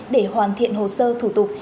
để hoàn thiện hồ sơ thủ tục